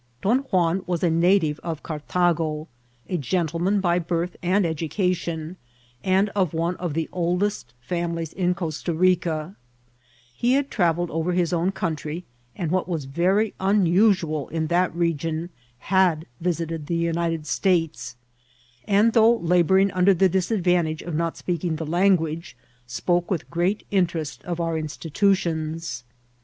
Don Juan was a native of Cartago, a gentleman by birth and education, and of one of the oldest families in Coirta RiccL He had travelled over his own country, and what was very unusual in that region, had viedted the United States, and though labouring under the dis advantage of not speaking the language, spoke with great interest of our institutions.